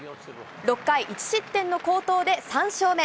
６回１失点の好投で３勝目。